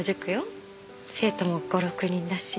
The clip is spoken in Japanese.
生徒も５６人だし。